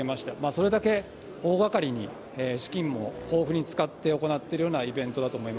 それだけ大がかりに資金も豊富に使って行っているようなイベント